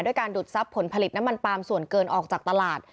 ด้วยการดูดซับผลผลิตน้ำมันปลามส่วนเกินออกจากตลาด